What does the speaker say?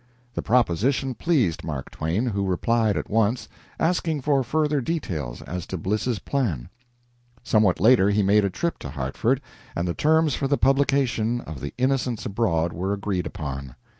The proposition pleased Mark Twain, who replied at once, asking for further details as to Bliss's plan. Somewhat later he made a trip to Hartford, and the terms for the publication of "The Innocents Abroad" were agreed upon.